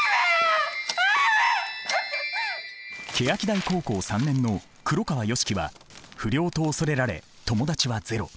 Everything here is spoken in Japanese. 欅台高校３年の黒川良樹は不良と恐れられ友達はゼロ。